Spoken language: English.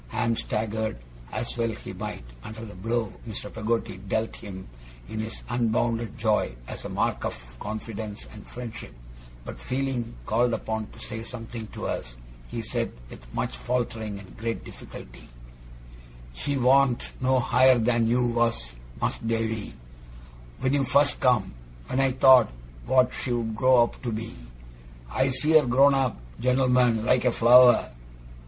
Ham staggered, as well he might, under the blow Mr. Peggotty dealt him in his unbounded joy, as a mark of confidence and friendship; but feeling called upon to say something to us, he said, with much faltering and great difficulty: 'She warn't no higher than you was, Mas'r Davy when you first come when I thought what she'd grow up to be. I see her grown up gent'lmen like a flower.